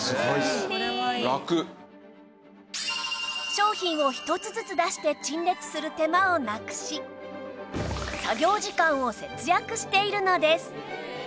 商品を一つずつ出して陳列する手間をなくし作業時間を節約しているのです